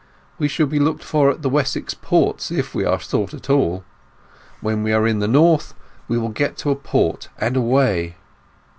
We shall be looked for at the Wessex ports if we are sought at all. When we are in the north we will get to a port and away."